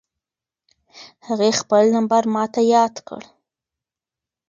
هغې خپل نمبر ماته یاد کړ.